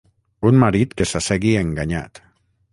Un marit que s'assegui enganyat.